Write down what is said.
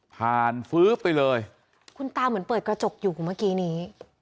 ฟื๊บไปเลยคุณตาเหมือนเปิดกระจกอยู่เมื่อกี้นี้